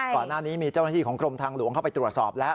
ก่อนหน้านี้มีเจ้าหน้าที่ของกรมทางหลวงเข้าไปตรวจสอบแล้ว